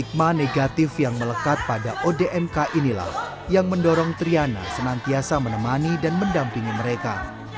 stigma negatif yang melekat pada odmk inilah yang mendorong triana senantiasa menemani dan mendampingi mereka